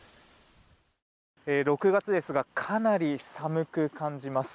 ６月ですがかなり寒く感じます。